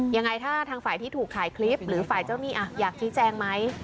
ยังไงถ้าทางฝ่ายที่ถูกถ่ายคลิปหรือฝ่ายเจ้าหนี้อยากชี้แจงไหม